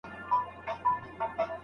غریبي د انسان ملا ماتوي.